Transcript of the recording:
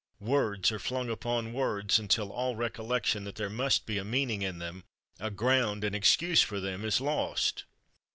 Words are flung upon words until all recollection that there must be a meaning in them, a ground and excuse for them, is lost.